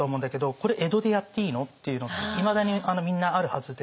これ江戸でやっていいの？っていうのっていまだにみんなあるはずで。